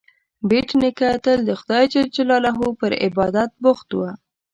بېټ نیکه تل د خدای جل جلاله پر عبادت بوخت و.